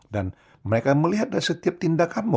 dan mereka melihat dan setiap tindakanmu